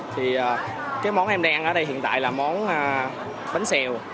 thì cái món em đang ăn ở đây hiện tại là món bánh xèo